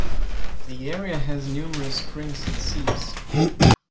The area has numerous springs and seeps.